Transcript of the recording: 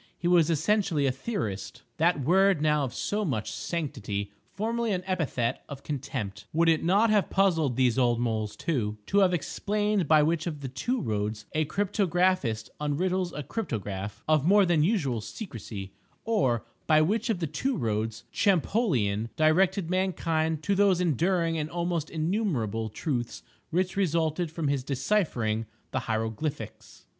He was essentially a "theorist"—that word now of so much sanctity, formerly an epithet of contempt. Would it not have puzzled these old moles too, to have explained by which of the two "roads" a cryptographist unriddles a cryptograph of more than usual secrecy, or by which of the two roads Champollion directed mankind to those enduring and almost innumerable truths which resulted from his deciphering the Hieroglyphics.